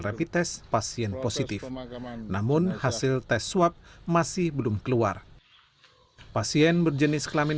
rapid test pasien positif namun hasil tes swab masih belum keluar pasien berjenis kelamin